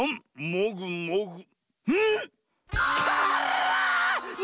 もぐもぐ。